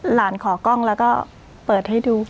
ขอกล้องแล้วก็เปิดให้ดู